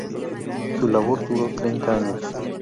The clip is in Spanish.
Su labor duró treinta años.